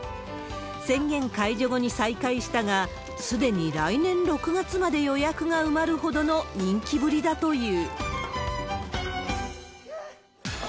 宣言解除後に再開したが、すでに来年６月まで予約が埋まるほどの人気ぶりだという。